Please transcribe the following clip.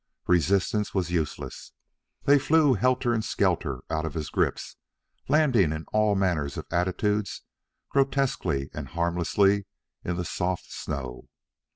Resistance was useless. They flew helter skelter out of his grips, landing in all manner of attitudes, grotesquely and harmlessly, in the soft snow.